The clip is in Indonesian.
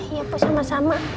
iya bu sama sama